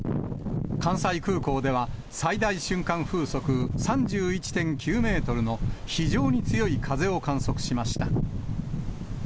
関西空港では、最大瞬間風速３１．９メートルの非常に強い風を観測しました。